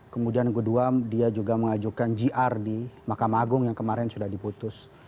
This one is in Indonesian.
kemudian kedua dia juga mengajukan gr di mahkamah agung yang kemarin sudah diputus